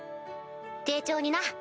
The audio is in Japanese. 丁重にな。